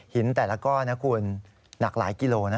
แต่ละก้อนนะคุณหนักหลายกิโลนะ